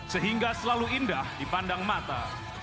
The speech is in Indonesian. sehingga selalu indah dipandang mata